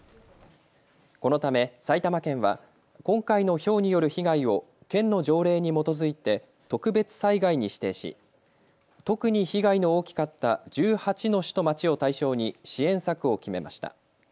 このため埼玉県は今回のひょうによる被害を県の条例に基づいて特別災害に指定し特に被害の大きかった１８の市と町を対象に支援策を決めました。